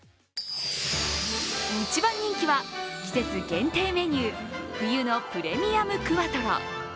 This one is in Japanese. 一番人気は季節限定メニュー、冬のプレミアム・クワトロ。